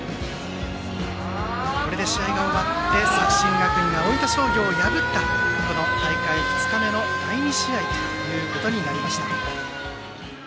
これで試合が終わって作新学院が大分商業を破った、大会２日目の第２試合となりました。